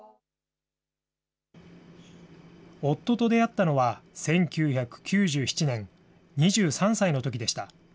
夫と出会ったのは１９９７年、２３歳のときでした。